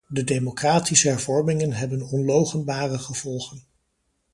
De democratische hervormingen hebben onloochenbare gevolgen.